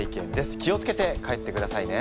気を付けて帰ってくださいね。